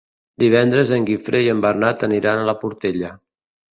Divendres en Guifré i en Bernat aniran a la Portella.